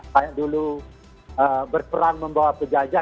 kayak dulu berperang membawa pejajah